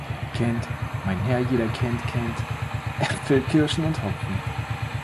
Kent, mein Herr - jeder kennt Kent - Äpfel, Kirschen und Hopfen.